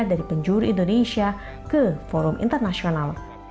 dari penjuru indonesia ke forum internasional